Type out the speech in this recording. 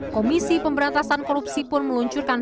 komisi pemberantasan korupsi pun meluncurkan